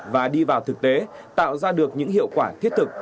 và đi vào thực tế tạo ra được những hiệu quả thiết thực